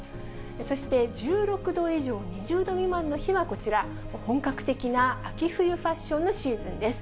そして、１６度以上、２０度未満の日はこちら、本格的な秋冬ファッションのシーズンです。